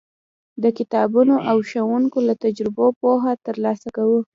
د کتابونو او ښوونکو له تجربو پوهه ترلاسه کوو.